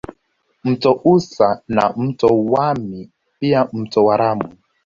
Mto Usa na mto Wami pia mto Waramu